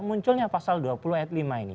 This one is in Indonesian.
munculnya pasal dua puluh ayat lima ini